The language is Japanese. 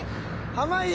濱家。